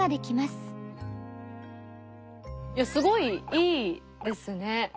いやすごいいいですね。